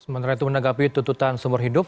sementara itu menanggapi tuntutan seumur hidup